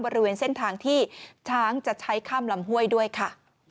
บริเวณเส้นทางที่ช้างจะใช้ข้ามลำห้วยด้วยค่ะ